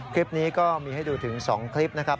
คลิปนี้ก็มีให้ดูถึง๒คลิปนะครับ